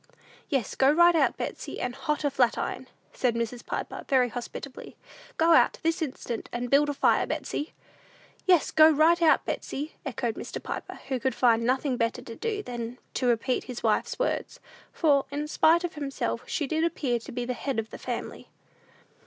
"Yes; go right out, Betsey, and hot a flatiron," said Mrs. Piper, very hospitably. "Go out, this instant, and build a fire, Betsey." "Yes, go right out, Betsey," echoed Mr. Piper, who could find nothing better to do than to repeat his wife's words; for, in spite of himself, she did appear to be the "head of the family."